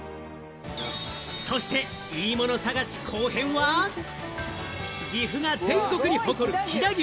そして、いいもの探し後編は岐阜が全国に誇る飛騨牛。